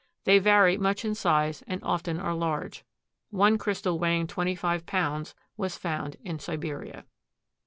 They vary much in size and often are large. One crystal weighing twenty five pounds was found in Siberia.